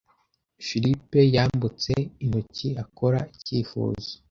Philip yambutse intoki akora icyifuzo.